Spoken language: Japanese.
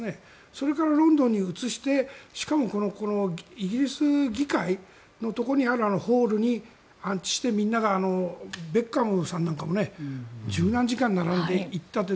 それからロンドンに移してしかもイギリス議会のところにあるホールに安置してみんながベッカムさんなんかも１０何時間並んでいったって。